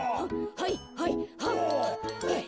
はいはいはんはん。